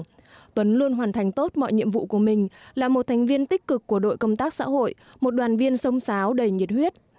tuấn luôn hoàn thành tốt mọi nhiệm vụ của mình là một thành viên tích cực của đội công tác xã hội một đoàn viên sông sáo đầy nhiệt huyết